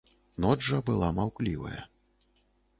Ноч жа была маўклівая.